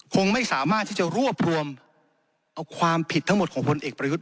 คงไม่สามารถที่จะรวบรวมเอาความผิดทั้งหมดของพลเอกประยุทธ์